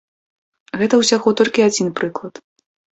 Гэта ўсяго толькі адзін прыклад.